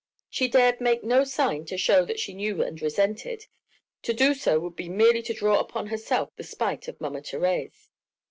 She dared make no sign to show that she knew and resented, to do so would be merely to draw upon herself the spite of Mama Thérèse.